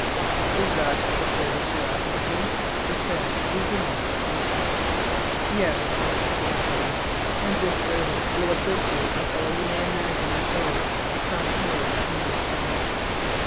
" Is that the service you ask of me }*' he said, resuming his seat. Yes," answered Kin Fo ;" and this service will acquit you of all you may imagine you owe Tchoung Heou and his son."